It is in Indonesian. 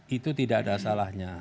itu tidak ada salahnya